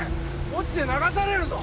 落ちて流されるぞ！